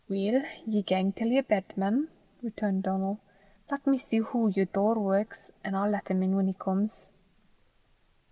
"Weel, ye gang till yer bed, mem," returned Donal. "Lat me see hoo yer door works, an' I'll lat him in whan he comes."